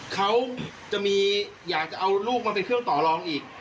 เขาจะมีอยากจะเอาลูกมาเป็นเครื่องต่อรองอีก